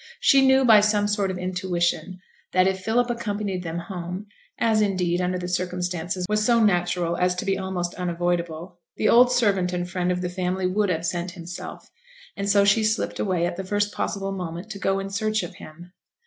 She knew by some sort of intuition that if Philip accompanied them home (as, indeed, under the circumstances, was so natural as to be almost unavoidable), the old servant and friend of the family would absent himself; and so she slipped away at the first possible moment to go in search of him.